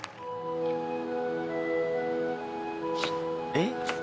えっ？